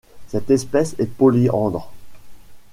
Cette espèce est polyandre.